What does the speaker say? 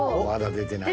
出てない。